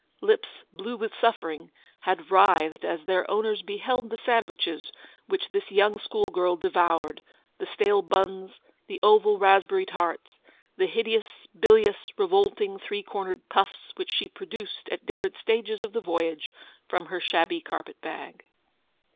Lips, blue with suffering, had writhed as their owners beheld the sandwiches which this young schoolgirl devoured, the stale buns, the oval raspberry tarts, the hideous, bilious, revolting three cornered puffs which she pro duced at different stages of the voyage from her shabby carpet bag.